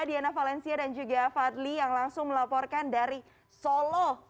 diana valencia dan juga fadli yang langsung melaporkan dari solo